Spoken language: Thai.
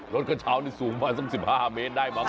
รถกระเช้านี่สูงมา๒๕เมตรได้มาก